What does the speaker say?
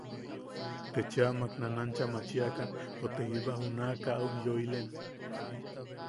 Te chea mak te nanancha maachiakan o te jiba junakaʼa ujyoilen.